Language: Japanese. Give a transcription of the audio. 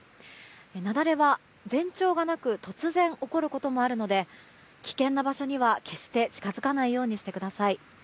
雪崩は、前兆がなく突然起こることもあるので危険な場所には決して近づかないようにしてください。